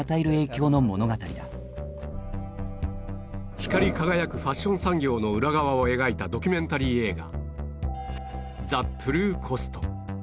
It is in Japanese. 光り輝くファッション産業の裏側を描いたドキュメンタリー映画